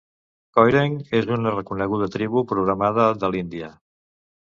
Koireng és una reconeguda tribu programada de l'Índia.